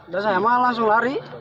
terus saya malah langsung lari